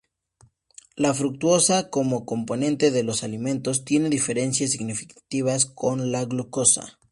La fructosa, como componente de los alimentos, tiene diferencias significativas con la glucosa.